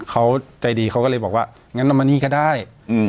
เขาใจดีเขาก็เลยบอกว่างั้นเอามานี่ก็ได้